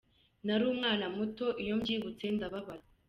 Nari umwana muto, iyo mbyibutse ndababara.